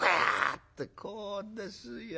ってこうですよ。